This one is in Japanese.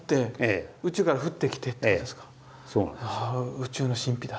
宇宙の神秘だ。